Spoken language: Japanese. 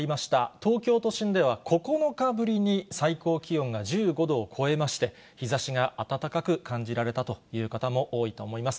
東京都心では９日ぶりに最高気温が１５度を超えまして、日ざしが暖かく感じられたという方も多いと思います。